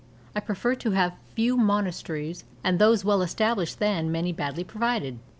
I prefer to have few monasteries and those well established than many badly provided.